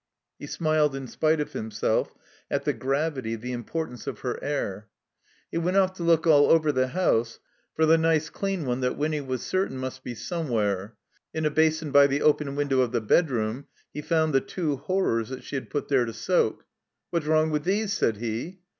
He smiled in spite of himself at the gravity, the importance of her air. 12 171 THE COMBINED MAZE He went off to look all over the house for the nice dean one that Winny was certain must be somewhere. In a basin by the open window of the bedroom he found the two horrors that she had put there to soak. "What's wrong with these?" said he.